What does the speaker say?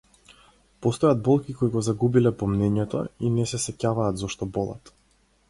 Постојат болки кои го загубиле помнењето и не се сеќаваат зошто болат.